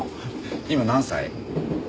今何歳？